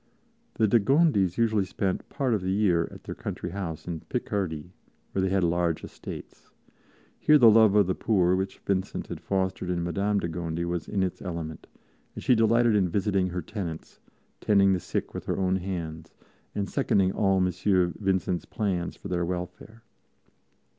The de Gondis usually spent part of the year at their country house in Picardy, where they had large estates. Here the love of the poor which Vincent had fostered in Madame de Gondi was in its element, and she delighted in visiting her tenants, tending the sick with her own hands, and seconding all M. Vincent's plans for their welfare.